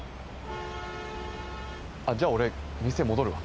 あっじゃあ俺店戻るわ。